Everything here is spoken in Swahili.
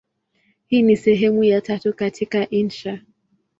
Hii ni sehemu ya tatu katika insha.